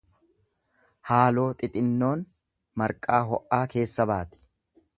Haaloo xixinnoon marqaa ho'aa keessa baati.